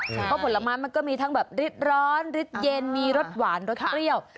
เพราะผลไม้มันก็มีทั้งแบบริดร้อนริดเย็นมีรสหวานรสเปรี้ยว